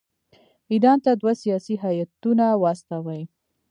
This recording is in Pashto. ایران ته دوه سیاسي هیاتونه واستوي.